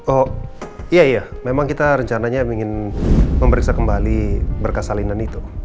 oh iya iya memang kita rencananya ingin memeriksa kembali berkas salinan itu